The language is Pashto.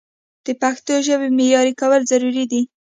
د پښتو ژبې معیاري کول ضروري دي.